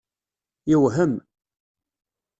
Yewhem.